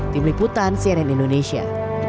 tim liputan cnn indonesia